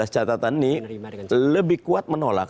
sembilan belas catatan ini lebih kuat menolak